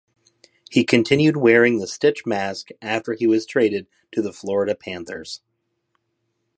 He continued wearing the stitch mask after he was traded to the Florida Panthers.